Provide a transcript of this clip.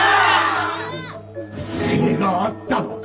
不正があったのか！？